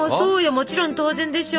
もちろん当然でしょ。